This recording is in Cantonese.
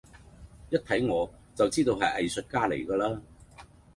一睇我就知道係藝術家嚟㗎啦